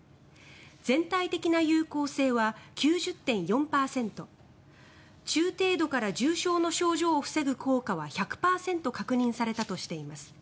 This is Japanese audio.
全体的な有効性は９０．４％中程度から重症の症状を防ぐ効果は１００％確認されたとしています。